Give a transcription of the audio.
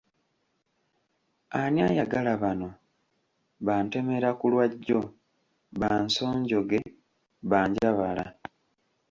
Ani ayagala bano ba ntemera ku lwajjo, ba nsonjoge, ba Njabala?